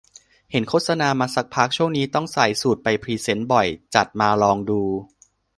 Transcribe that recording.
เห็นโฆษณามาสักพัก ช่วงนี้ต้องใส่สูทไปพรีเซนต์บ่อย จัดมาลองดู